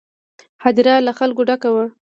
هدیره له خلکو ډکه وه.